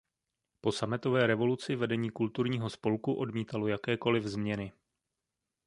Po sametové revoluci vedení Kulturního spolku odmítalo jakékoliv změny.